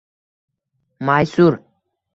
Maysur